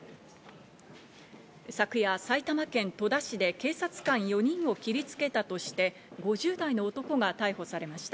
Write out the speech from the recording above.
昨夜、埼玉県戸田市で警察官４人を切りつけたとして、５０代の男が逮捕されました。